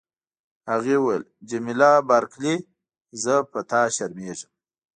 هغې وویل: جميله بارکلي، زه په تا شرمیږم.